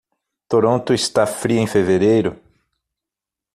Toronto está fria em fevereiro?